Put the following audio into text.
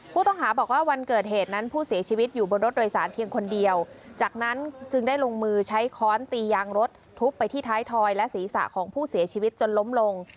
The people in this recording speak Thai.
ผู้ต้องหาบอกว่าวันเกิดเหตุนั้นผู้เสียชีวิตอยู่บนรถโดยสารเพียงคนเดียวจากนั้นจึงได้ลงมือใช้ค้อนตียางรถทุบไปที่ท้ายทอยและศีรษะของผู้เสียชีวิตจนล้มลง